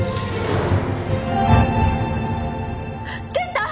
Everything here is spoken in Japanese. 健太！！